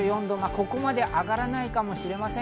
ここまで上がらないかもしれません。